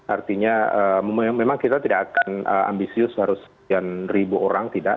artinya memang kita tidak akan ambisius harus sekian ribu orang tidak